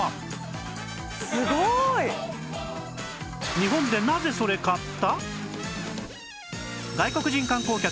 日本でなぜそれ買った！？